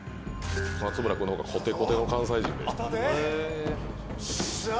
松村君の方がコテコテの関西人でしゃあ！